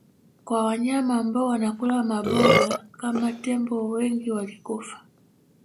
kwa wanyama ambao wanakula maboga kama tembo wengi walikufa